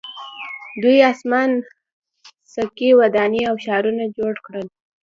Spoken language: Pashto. دوی اسمان څکې ودانۍ او ښارونه جوړ کړل.